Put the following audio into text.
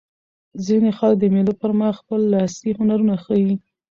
ځیني خلک د مېلو پر مهال خپل لاسي هنرونه ښيي.